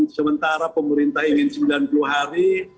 sementara pemerintah ingin sembilan puluh hari